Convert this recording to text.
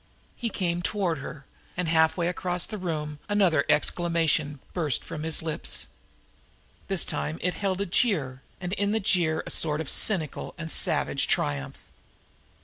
He came toward her, and halfway across the room another exclamation burst from his lips; but this time it held a jeer, and in the jeer a sort of cynical and savage triumph.